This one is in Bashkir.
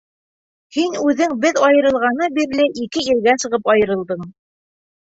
Һин үҙең беҙ айырылғаны бирле ике иргә сығып айырылдың.